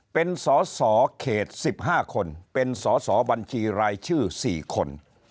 เป็นสอสอเขต๑๕คนเป็นสอสอบัญชีรายชื่อ๔คน